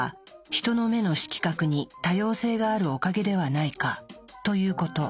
ヒトの目の色覚に多様性があるおかげではないかということ。